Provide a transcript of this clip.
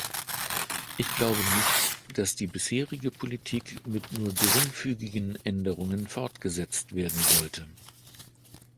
Ich glaube nicht, dass die bisherige Politik mit nur geringfügigen Änderungen fortgesetzt werden sollte.